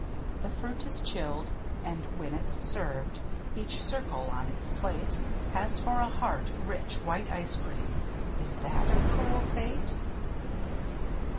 The fruit is chilled, and, when it's served. Each circle on its plate Has for a heart rich, white Ice cream — Is that a cruel fate?